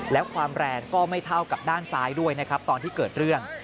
แล้วความแรงก็ไม่เท่ากับด้านซ้ายด้วยนะครับตอนที่เกิดเรื่อง